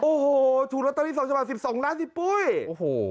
โอ้โหถูรตเตอรี่สองจังหวัด๑๒ล้านสิปุ้ยโอ้โห